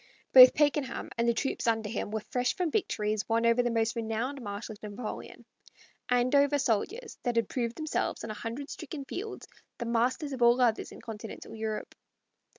Both Pakenham and the troops under him were fresh from victories won over the most renowned marshals of Napoleon, andover soldiers that had proved themselves on a hundred stricken fields the masters of all others in Continental Europe.